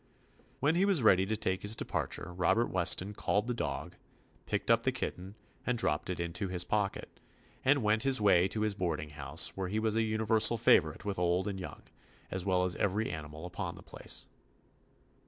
When he was ready to take his de parture Robert Weston called the dog, picked up the kitten and dropped it into his pocket, and went his way 37 THE ADVENTURES OF to his boarding house where he was a universal favorite with old and young, as well as every animal upon the place.